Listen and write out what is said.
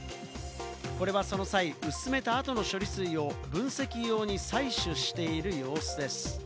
これはその際、薄めた後の処理水を分析用に採取している様子です。